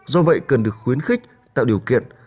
do vậy cần được khuyến khích tạo điều kiện